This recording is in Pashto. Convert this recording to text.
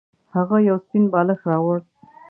هغه یو سپین بالښت راوړ.